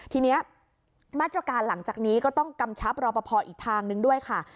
ทีนี้มาตรการหลังจากนี้ก็ต้องกำชับรอปภอีกทางนึงด้วยค่ะ